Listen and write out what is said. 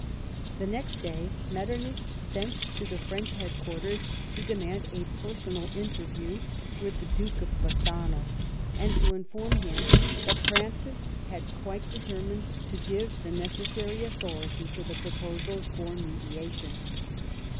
The next day ]\[etternicli sent to the French headquarters to demand a personal interview with the Duke of Bassano, and to inform him that Francis had quite determined to give the necessary authority to the proposals for mediation.